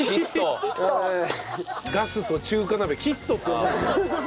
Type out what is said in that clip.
ガスと中華鍋「キット」って。